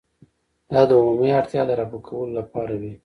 دا د عمومي اړتیا د رفع کولو لپاره وي.